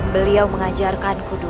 beliau mengajarkanku dulu